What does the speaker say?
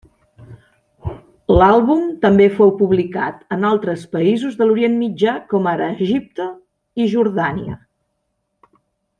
L'àlbum també fou publicat en altres països de l'Orient Mitjà com ara Egipte i Jordània.